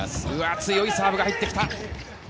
強いサーブが入ってきた。